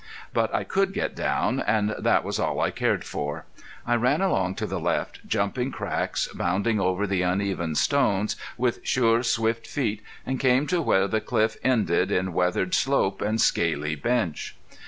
But I could get down, and that was all I cared for. I ran along to the left, jumping cracks, bounding over the uneven stones with sure, swift feet, and came to where the cliff ended in weathered slope and scaly bench.